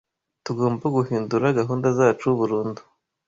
Tugomba guhindura gahunda zacu burndu